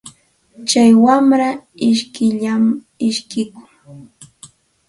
Tsay wamra ishkiyllam ishkikun.